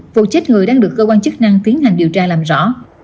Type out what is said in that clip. vụ chết người đang được cơ quan chức năng tiến hành điều tra làm rõ